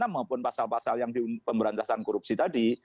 maupun pasal pasal yang di pemberantasan korupsi tadi